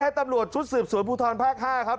ตำรวจชุดสืบสวนภูทรภาค๕ครับ